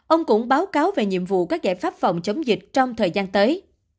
ông cũng báo cáo về nhiệm vụ các giải pháp phòng chống dịch trong thời gian tới